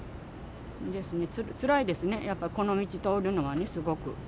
つらいですね、やっぱ、この道通るのはね、すごく。